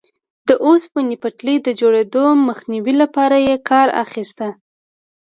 د اوسپنې پټلۍ د جوړېدو مخنیوي لپاره یې کار اخیست.